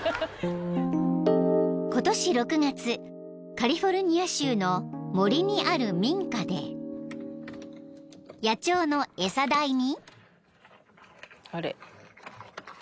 ［カリフォルニア州の森にある民家で野鳥の餌台に］